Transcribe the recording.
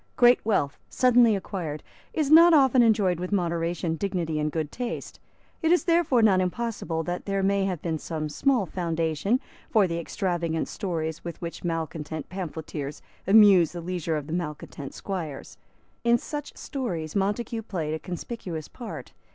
Great wealth, suddenly acquired, is not often enjoyed with moderation, dignity and good taste. It is therefore not impossible that there may have been some small foundation for the extravagant stories with which malecontent pamphleteers amused the leisure of malecontent squires. In such stories Montague played a conspicuous part.